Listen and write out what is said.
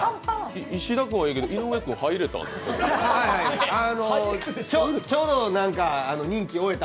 石田君はいいけど井上君、入れた？